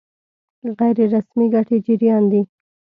غیر رسمي ګټې جريان دي.